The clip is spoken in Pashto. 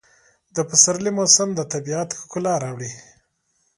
د پسرلي موسم د طبیعت ښکلا راوړي.